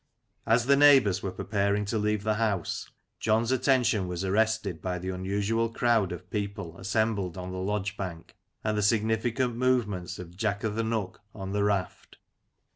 As the neighboiurs were preparing to leave the house, John's attention was arrested by the unusual crowd of people assembled on the lodge bank, and the significant movements of Jack o'th' Nook on the raft.